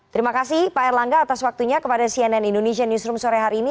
terima kasih pak erlangga atas waktunya kepada cnn indonesia newsroom sore hari ini